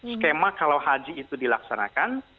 skema kalau haji itu dilaksanakan